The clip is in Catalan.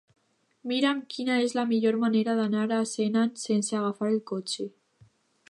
Mira'm quina és la millor manera d'anar a Senan sense agafar el cotxe.